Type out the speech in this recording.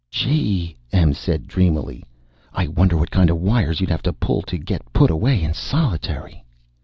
"Gee!" Em said dreamily. "I wonder what kind of wires you'd have to pull to get put away in solitary?"